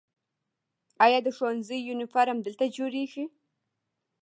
آیا د ښوونځي یونیفورم دلته جوړیږي؟